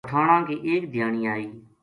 پٹھاناں کی ایک دھیانی ائی